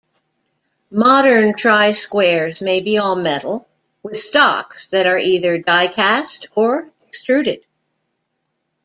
Modern try squares may be all-metal, with stocks that are either die-cast or extruded.